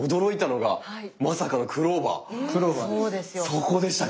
そこでしたか。